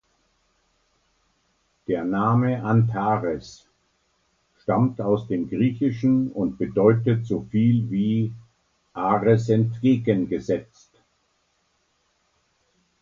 Der Name Antares stammt aus dem Griechischen und bedeutet so viel wie "„Ares entgegengesetzt“".